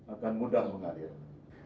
akan mudah mengalir